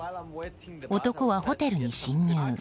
男はホテルに侵入。